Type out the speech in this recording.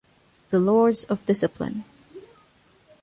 "The Lords of Discipline".